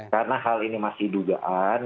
karena hal ini masih dugaan